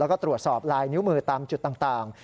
แล้วก็ตรวจสอบลายนิ้วมือตามจุดต่าง